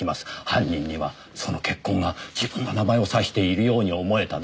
犯人にはその血痕が自分の名前を指しているように思えた。